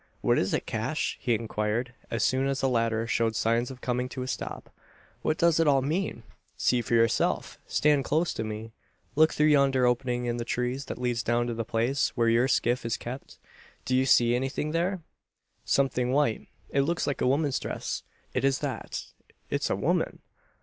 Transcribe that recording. "What is it, Cash?" he inquired, as soon as the latter showed signs of coming to a stop. "What does it all mean?" "See for yourself! Stand close to me! Look through yonder opening in the trees that leads down to the place where your skiff is kept. Do you see anything there?" "Something white. It looks like a woman's dress. It is that. It's a woman!"